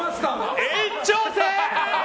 延長戦！